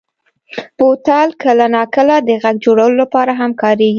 بوتل کله ناکله د غږ جوړولو لپاره هم کارېږي.